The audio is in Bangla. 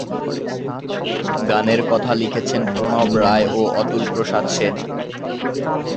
গানের কথা লিখেছেন প্রণব রায় ও অতুল প্রসাদ সেন।